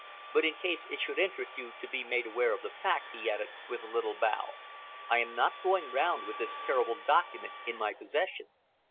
But in case it should interest you to be made aware of the fact," he added, with a little bow, "I am not going round with this terrible document in my possession."